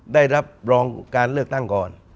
ได้รับรองการเลือกตั้งก่อน